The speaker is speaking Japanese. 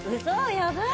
やばい！